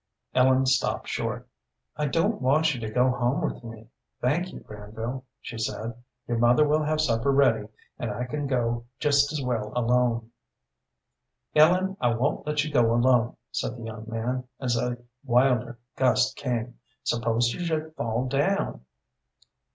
Ellen stopped short. "I don't want you to go home with me, thank you, Granville," she said. "Your mother will have supper ready, and I can go just as well alone." "Ellen, I won't let you go alone," said the young man, as a wilder gust came. "Suppose you should fall down?"